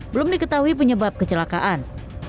belum diketahui penyebab kecelakaan